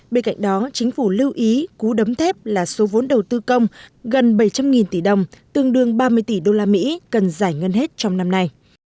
bên cạnh đó chính phủ lưu ý cú đấm thép là số vốn đầu tư công gần bảy trăm linh tỷ đồng tương đương ba mươi tỷ usd cần giải ngân hết trong năm nay